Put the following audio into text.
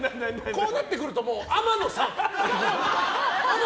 こうなってくるともう、天野さん！